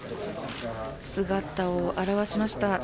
姿を現しました。